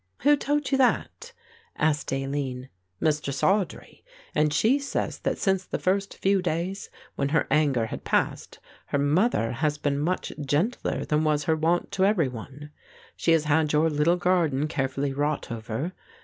"Who told you that?" asked Aline. "Mistress Audry, and she says that since the first few days, when her anger had passed, her mother has been much gentler than was her wont to every one. She has had your little garden carefully wrought over.